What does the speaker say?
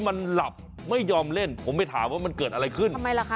มันไปเที่ยวกันกลางคืนทั้งคืนเลย